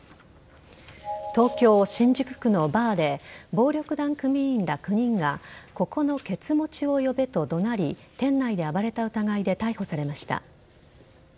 東京・新宿区のバーで暴力団組員ら９人がここのケツ持ちを呼べと怒鳴り店内で暴れた疑いで逮捕されました。